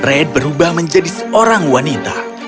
aku menjadi seorang wanita